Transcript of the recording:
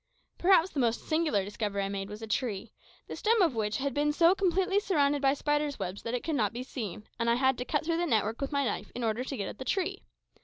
Perhaps the most singular discovery I made was a tree, the stem of which had been so completely surrounded by spiders' webs that it could not be seen, and I had to cut through the network with my knife in order to get at the tree.